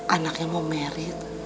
anak yang mau married